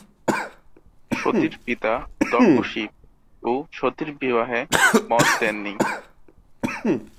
সতীর পিতা দক্ষ শিব ও সতীর বিবাহে মত দেননি।